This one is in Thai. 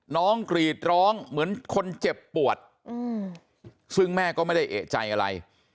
กรีดร้องเหมือนคนเจ็บปวดซึ่งแม่ก็ไม่ได้เอกใจอะไร